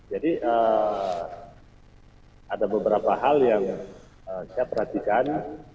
jadi ada beberapa hal yang saya perhatikan